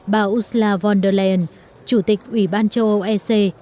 bà ursula von der leyen chủ tịch ủy ban châu âu ec